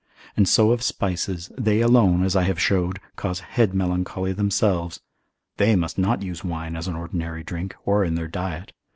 And so of spices, they alone, as I have showed, cause head melancholy themselves, they must not use wine as an ordinary drink, or in their diet.